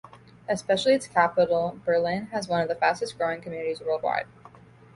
Especially its capital Berlin has one of the fastest growing communities worldwide.